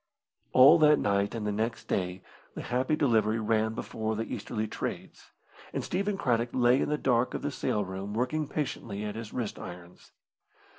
All that night and the next day the Happy Delivery ran before the easterly trades, and Stephen Craddock lay in the dark of the sail room working patiently at his wrist irons.